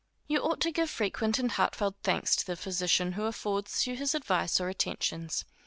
_ You ought to give frequent and heartfelt thanks to the physician who affords you his advice or attentions.